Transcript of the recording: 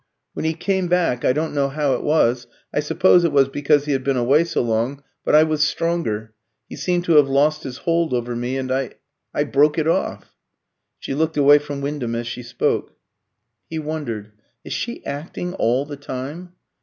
When he came back I don't know how it was I suppose it was because he had been away so long but I was stronger. He seemed to have lost his hold over me, and I I broke it off." She looked away from Wyndham as she spoke. He wondered, "Is she acting all the time?